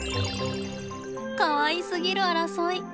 かわいすぎる争い。